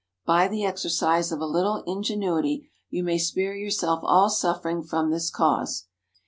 By the exercise of a little ingenuity you may spare yourself all suffering from this cause.